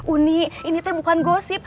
ini ini tuh bukan gosip